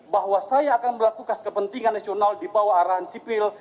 bahwa saya akan melakukan kepentingan nasional di bawah arahan sipil